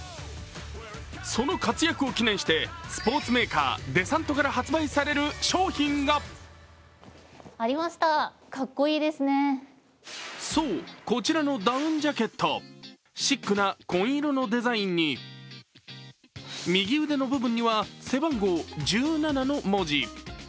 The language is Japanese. その活躍を記念してスポーツメーカーデサントから発売される商品がそう、こちらのダウンジャケットシックな紺色のデザインに右腕の部分には背番号１７の文字。